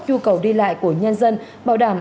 nhu cầu đi lại của nhân dân bảo đảm